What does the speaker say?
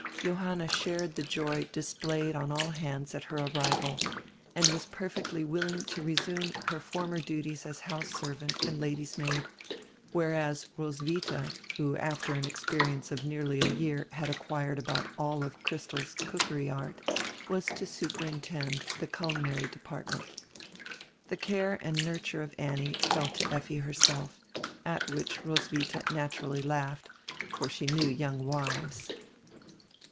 Johanna shared die joy displayed on all hands at her arrival and was perfectiy willing to resume her former duties as house servant and lady's maid, whereas Roswitha, who after an experience of nearly a year had acquired about all of Chris tel's cookery art, was to superintend die culinary depart ment. The care and nurture of Annie fell to Effi herself, at which Roswitha naturally laughed, for she knew young wives.